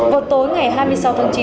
vào tối ngày hai mươi sáu tháng chín